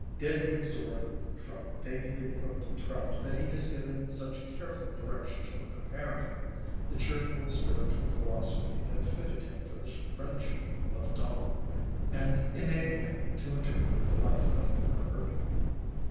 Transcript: Did he absorb from the daintily cooked trout 36 ALONG THE WATERWAYS that he has given such careful directions for pre paring, the cheerful, spiritual philosophy that fitted him for the friendship of Donne, and enabled him to interpret the life of Herbert